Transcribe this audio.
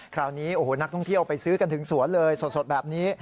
คราวนี้โอ้โหนักท่องเที่ยวไปซื้อกันถึงสวนเลยสดแบบนี้